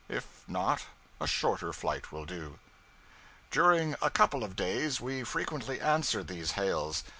If not, a shorter flight will do. During a couple of days, we frequently answered these hails.